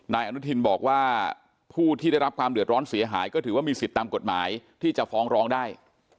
นายอนุทินบอกว่าผู้ที่ได้รับความเดือดร้อนเสียหายก็ถือว่ามีสิทธิ์ตามกฎหมายที่จะฟ้องร้องได้